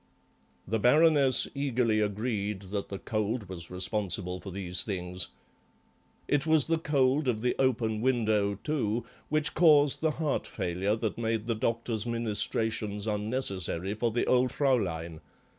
The Baroness eagerly agreed that the cold was responsible for these things. It was the cold of the open window, too, which caused the heart failure that made the doctor's ministrations unnecessary for the old Fraulein.